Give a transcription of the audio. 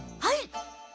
はい。